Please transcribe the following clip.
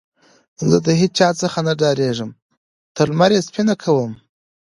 زه له هيچا څخه نه ډارېږم؛ تر لمر يې سپينه کوم.